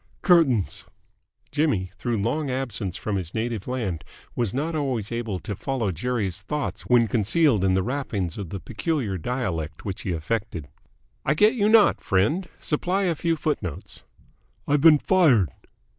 "Curtains!" Jimmy, through long absence from his native land, was not always able to follow Jerry's thoughts when concealed in the wrappings of the peculiar dialect which he affected. "I get you not, friend. Supply a few footnotes." "I've been fired."